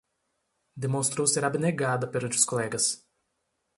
Demonstrou ser abnegada perante os colegas